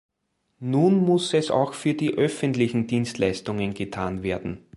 Nun muss es auch für die öffentlichen Dienstleistungen getan werden!